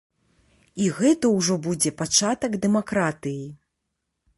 І гэта ўжо будзе пачатак дэмакратыі.